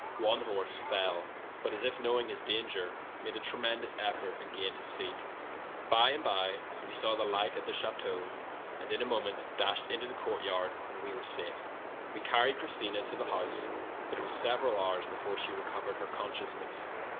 "One horse fell, but, as if knowing his danger, made a tremendous effort and gained his feet. By and by we saw the light at the chateau, and in a moment dashed into the courtyard, and were safe. "We carried Christina to the house, but it was several hours before she recovered her conscious ness.